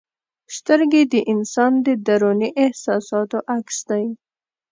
سترګې د انسان د دروني احساساتو عکس دی.